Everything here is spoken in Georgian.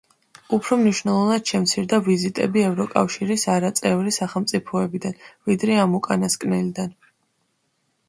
უფრო მნიშვნელოვნად შემცირდა ვიზიტები ევროკავშირის არაწევრი სახელმწიფოებიდან, ვიდრე ამ უკანასკნელიდან.